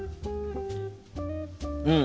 うん。